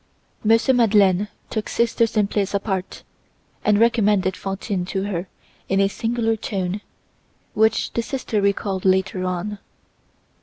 M. Madeleine took Sister Simplice apart and recommended Fantine to her in a singular tone, which the sister recalled later on.